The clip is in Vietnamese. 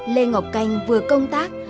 lê ngọc canh vừa công tác